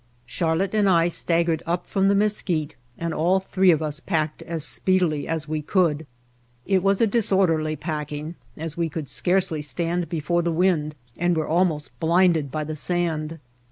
Charlotte and I staggered up from the mesquite and all three of us packed as speedily as we could. It was a disorderly packing, as we could scarcely stand before the wind, and were almost blinded by the sand.